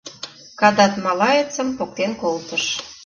— Кадат малаецым поктен колтыш.